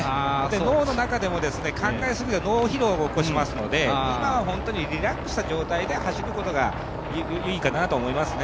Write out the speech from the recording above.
脳の中でも考えすぎると脳疲労を起こしますので今は本当にリラックスした状態で、走ることがいいかなと思いますね。